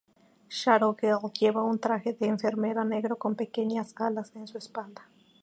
Shadow Gale lleva un traje de enfermera negro con pequeñas alas en su espalda.